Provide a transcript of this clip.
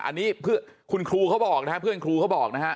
อันนี้คุณครูเขาบอกนะฮะเพื่อนครูเขาบอกนะฮะ